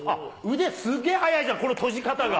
腕、すっげぇ速いじゃん、この閉じ方が。